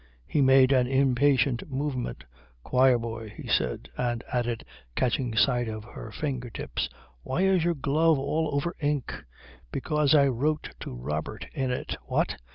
He made an impatient movement. "Choir boy," he said; and added, catching sight of her finger tips, "Why is your glove all over ink?" "Because I wrote to Robert in it." "What?